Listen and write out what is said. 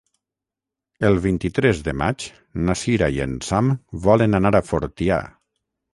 El vint-i-tres de maig na Cira i en Sam volen anar a Fortià.